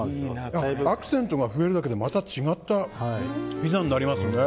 アクセントが増えるだけでまた違ったピザになりますね。